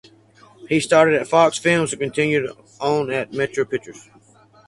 He started at Fox Films and continued on at Metro Pictures.